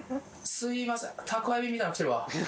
すみません、宅配便みたいなの来てるわ。